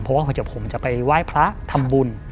เพราะว่าผมจะไปไหว้พระทำบุญ